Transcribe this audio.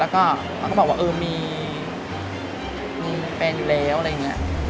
แล้วก็เขาก็บอกว่าเออมีแฟนอยู่แล้วอะไรอย่างนี้